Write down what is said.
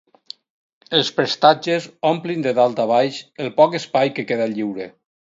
Els prestatges omplin de dalt a baix el poc espai que queda lliure.